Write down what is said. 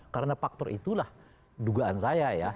karena faktor itulah dugaan saya ya